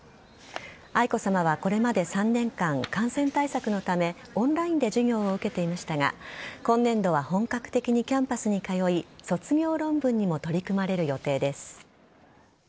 愛子さまは、これまで３年間感染対策のためオンラインで授業を受けていましたが今年度は本格的にキャンパスに通い卒業論文にも取り組まれる予定です。